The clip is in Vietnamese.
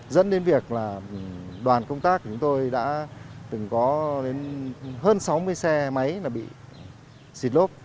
dẫn đến việc là đoàn công tác của chúng tôi đã từng có đến hơn sáu mươi xe máy bị xịt lốp